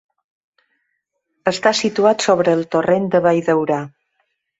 Està situat sobre el torrent de Valldaura.